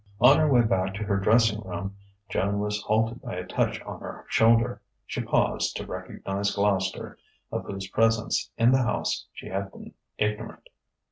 On her way back to her dressing room Joan was halted by a touch on her shoulder. She paused, to recognize Gloucester, of whose presence in the house she had been ignorant.